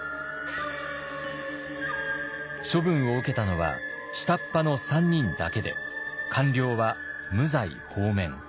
処分を受けたのは下っ端の３人だけで官僚は無罪放免。